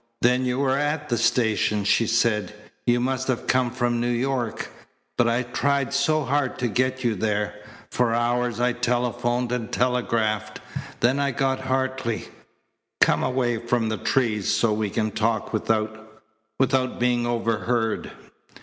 "Then you were at the station," she said. "You must have come from New York, but I tried so hard to get you there. For hours I telephoned and telegraphed. Then I got Hartley. Come away from the trees so we can talk without without being overheard."